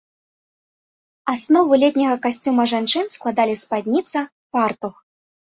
Аснову летняга касцюма жанчын складалі спадніца, фартух.